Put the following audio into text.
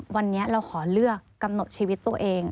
วันนี้เราขอเลือกกำหนดชีวิตตัวเอง